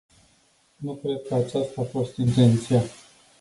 Nu cred că aceasta a fost intenția.